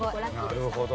なるほど。